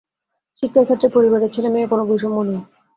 শিক্ষার ক্ষেত্রে পরিবারে ছেলে মেয়ে কোনো বৈষম্য নেই।